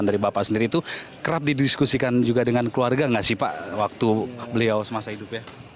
dari bapak sendiri itu kerap didiskusikan juga dengan keluarga nggak sih pak waktu beliau semasa hidup ya